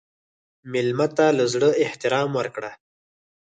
مېلمه ته له زړه احترام ورکړه.